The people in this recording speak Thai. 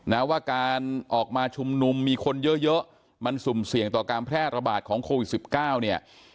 นะว่าการออกมาชุมนุมมีคนเยอะเยอะมันสุ่มเสี่ยงต่อการแพร่ระบาดของโควิด๑๙เนี่ย